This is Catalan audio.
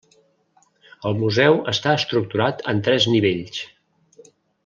El museu està estructurat en tres nivells.